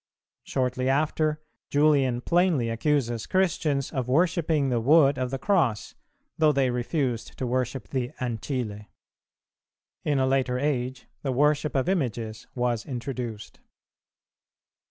Shortly after, Julian plainly accuses Christians of worshipping the wood of the Cross, though they refused to worship the ancile. In a later age the worship of images was introduced.